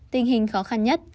tình hình khó khăn nhất